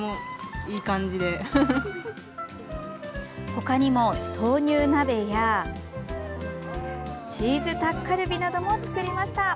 他にも豆乳鍋やチーズタッカルビなども作りました。